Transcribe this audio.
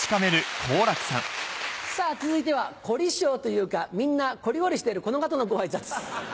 さぁ続いては凝り性というかみんなこりごりしてるこの方のご挨拶。